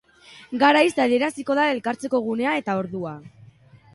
Garaiz adieraziko da elkartzeko gunea eta ordua.